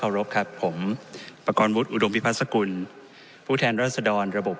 รบครับผมประกอบวุฒิอุดมพิพัฒกุลผู้แทนรัศดรระบบ